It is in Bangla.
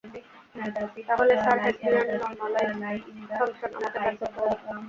তাহলে স্যার হেসবিয়ান নরমালাইজড ফাংশন আমাকে বের করতে হবে।